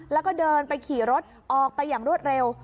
แล้วก็เดินไปขี่รถออกไปอย่างรวดเร็ว